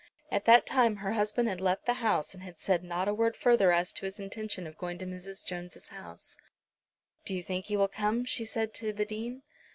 At that time her husband had left the house and had said not a word further as to his intention of going to Mrs. Jones' house. "Do you think he will come?" she said to the Dean.